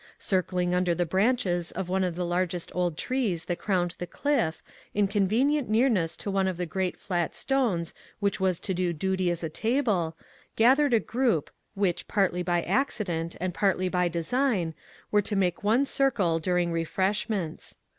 Circling under the branches of one of the largest old trees that crowned the cliff, in convenient nearness to one of the great flat stones which was to do duty as a table, gathered a group, which, partly by accident and partly by design, were to make one circle during refreshments.